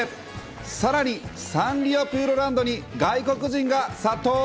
さらに、サンリオピューロランドに外国人が殺到。